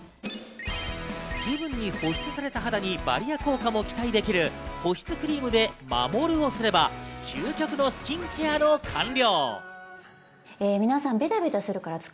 十分保湿された肌にバリア効果も期待できる保湿クリームで守るをすれば究極のスキンケアの完了。